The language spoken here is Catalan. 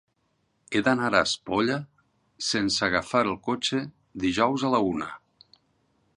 He d'anar a Espolla sense agafar el cotxe dijous a la una.